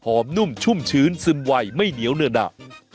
นุ่มชุ่มชื้นซึมไวไม่เหนียวเนื้อหนา